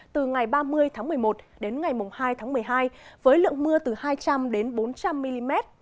từ ngày ba mươi tháng một mươi một đến ngày hai tháng một mươi hai với lượng mưa từ hai trăm linh bốn trăm linh mm